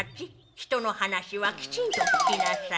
人の話はきちんと聞きなさい。